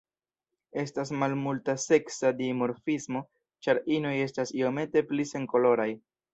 Estas malmulta seksa dimorfismo, ĉar inoj estas iomete pli senkoloraj.